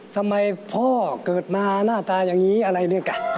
ทำไมพ่อเกิดมาหน้าตาอย่างนี้อะไรเนี่ย